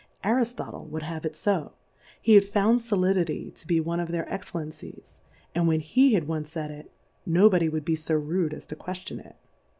ArijifAle would have it fo, he had found Solidity to be one of their Excellencies, and wlien he had oncefaid it, no Body would be fo rude .as to que ftion it.